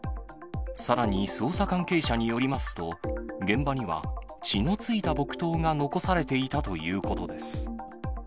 さらに捜査関係者によりますと、現場には血のついた木刀が残されていたということです。